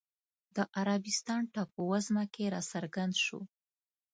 د عربستان ټاپووزمه کې راڅرګند شو